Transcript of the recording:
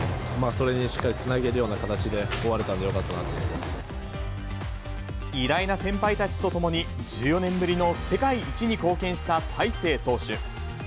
それにしっかりつなげるような形で終われたんでよかったなと思い偉大な先輩たちと共に、１４年ぶりの世界一に貢献した大勢投手。